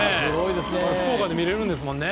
福岡で見れるんですもんね。